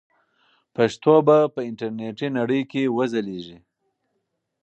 پښتو به په انټرنیټي نړۍ کې وځلیږي.